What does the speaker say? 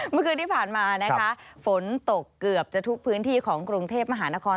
เมื่อคืนที่ผ่านมานะคะฝนตกเกือบจะทุกพื้นที่ของกรุงเทพมหานคร